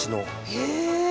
へえ！